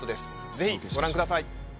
ぜひご覧ください